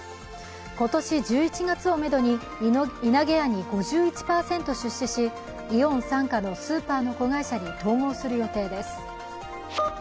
今年１１月をめどにいなげやに５１％出資しイオン傘下のスーパーの子会社に統合する予定です。